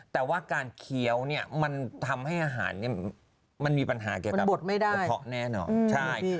แต่ว่าการเคี้ยวเนี่ยมันทำให้อาหารมีปัญหาเกี่ยวกับอุปกรณ์แน่นออก